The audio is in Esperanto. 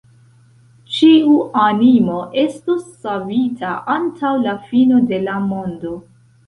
Ĉiu animo estos savita antaŭ la fino de la mondo.